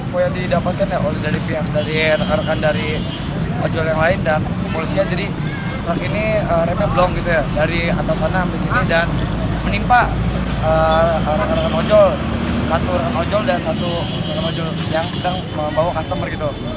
pengemudi yang panik langsung menimpa satu orang yang menjual dan satu orang yang menjual yang sedang membawa pelanggan